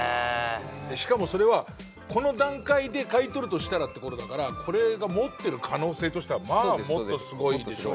しかもそれはこの段階で買い取るとしたらってことだからこれが持ってる可能性としてはまあもっとすごいでしょ。